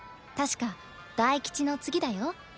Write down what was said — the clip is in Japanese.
確か大吉の次だよ。